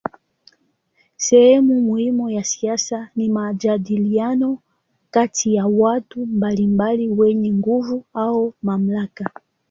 Sehemu muhimu ya siasa ni majadiliano kati ya watu mbalimbali wenye nguvu au mamlaka.